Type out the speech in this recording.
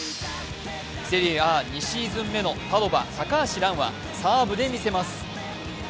セリエＡ２シーズン目のパドヴァ高橋藍はサーブで見せます。